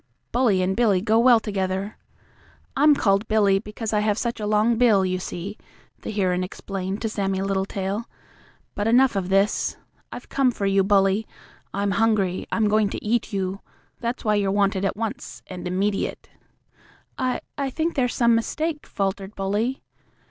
Bully and Billy go well together. I'm called Billy because I have such a long bill, you see," the heron explained to Sammie Littletail. "But enough of this. I've come for you, Bully. I'm hungry. I'm going to eat you. That's why you're wanted at once and immediate." "I I think there's some mistake," faltered Bully.